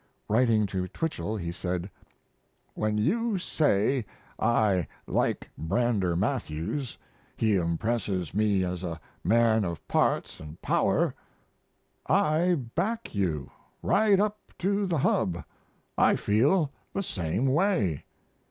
Writing to Twichell he said: When you say, "I like Brander Matthews, he impresses me as a man of parts & power," I back you, right up to the hub I feel the same way.